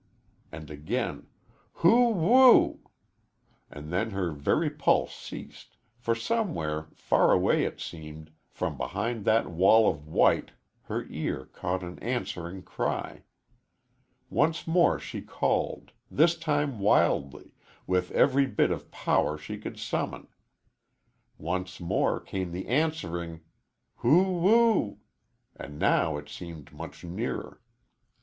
and again "Hoo oo woo oo!" And then her very pulses ceased, for somewhere, far away it seemed, from behind that wall of white her ear caught an answering cry. Once more she called this time wildly, with every bit of power she could summon. Once more came the answering "Hoo oo woo oo!" and now it seemed much nearer.